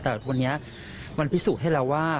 แต่วันนี้มันพิสูจน์ให้แล้วว่า